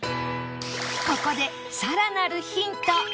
ここでさらなるヒント